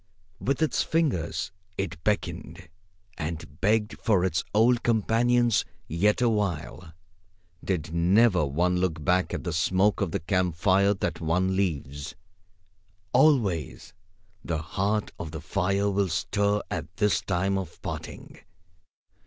With its fingers it beckoned and begged for its old companions yet a while. Did never one look back at the smoke of the camp fire that one leaves? Always, the heart of the fire will stir at this time of parting.